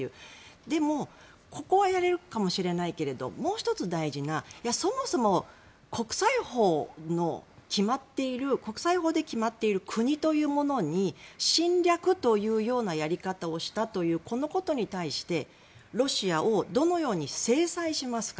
でもここはやれるかもしれないけどもう１つ、大事なそもそも国際法で決まっている国というものに侵略というようなやり方をしたというこのことに対して、ロシアをどのように制裁しますか。